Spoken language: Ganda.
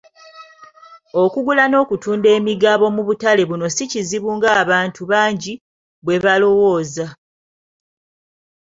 Okugula n'okutunda emigabo mu butale buno si kizibu ng'abantu bangi bwe balowooza.